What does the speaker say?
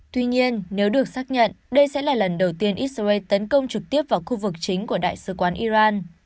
tuy nhiên nếu được xác nhận đây sẽ là lần đầu tiên israel tấn công trực tiếp vào khu vực chính của đại sứ quán iran